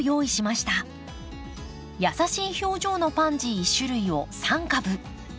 優しい表情のパンジー１種類を３株。